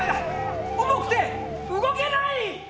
重くて動けない！